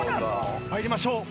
参りましょう。